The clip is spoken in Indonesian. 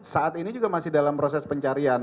saat ini juga masih dalam proses pencarian